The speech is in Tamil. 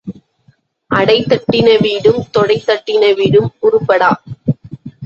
அடைதட்டின வீடும் தொடை தட்டின வீடும் உருப்படா.